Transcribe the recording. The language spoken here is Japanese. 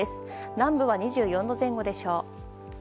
南部は２４度前後でしょう。